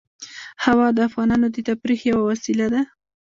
هوا د افغانانو د تفریح یوه وسیله ده.